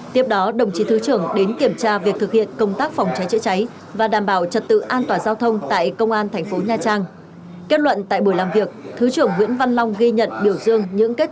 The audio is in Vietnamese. tiếp đó đồng chí thứ trưởng đến kiểm tra việc thực hiện công tác phòng cháy chữa cháy và đảm bảo trật tự an toàn giao thông tại công an thành phố nha trang